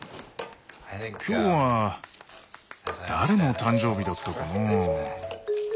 今日は誰の誕生日だったかな？